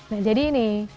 nah jadi ini